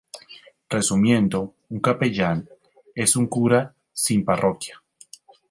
Resumiendo, un capellán, es un cura sin parroquia.